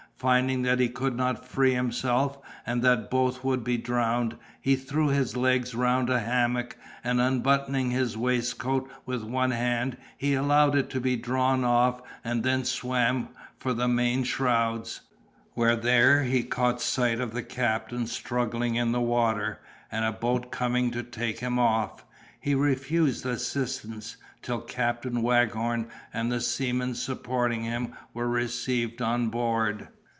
Finding that he could not free himself, and that both would be drowned, he threw his legs round a hammock, and unbuttoning his waistcoat with one hand, he allowed it to be drawn off, and then swam for the main shrouds. When there he caught sight of the captain struggling in the water, and a boat coming to take him off, he refused assistance, till Captain Waghorn and the seaman supporting him were received on board.